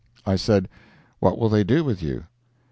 I said: "What will they do with you?"